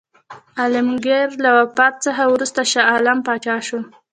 عالمګیر له وفات څخه وروسته شاه عالم پاچا شو.